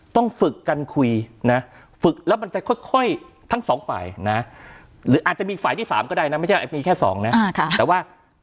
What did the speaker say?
ต้องฝึกกันคุยนะฝึกแล้วมันจะค่อยทั้งสองฝ่ายนะหรืออาจจะมีฝ่ายที่๓ก็ได้นะไม่ใช่มีแค่๒นะแต่ว่า